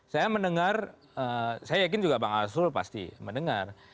saya mendengar saya yakin juga bang arsul pasti mendengar